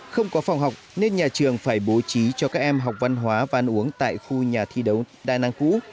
không có phòng học nên nhà trường phải bố trí cho các em học văn hóa và ăn uống tại khu nhà thi đấu đa năng cũ